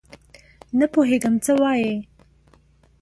نه پوهېږم څه وایې ؟؟